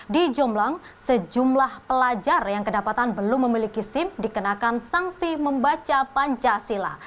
di jomblang sejumlah pelajar yang kedapatan belum memiliki sim dikenakan sanksi membaca pancasila